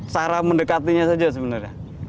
cara mendekatinya saja sebenarnya